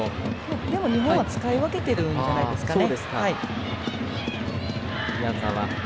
でも、日本は使い分けてるんじゃないですかね。